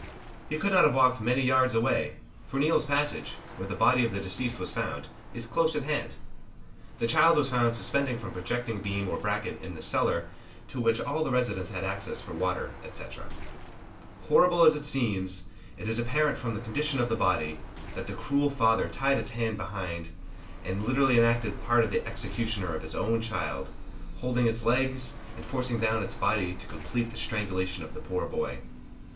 He could not have walked many yards away for Neal's passage, where the body of the deceased was found, is close at hand. The child was found suspended from a projecting beam or bracket in a cellar to which all the residents had access for water, &c. Horrible as it seems, it is apparent from the condition of the body, that the cruel father tied its hands behind, and had literally enacted the part of executioner of his own child, holding its legs, and forcing down its body to complete the strangulation of the poor boy.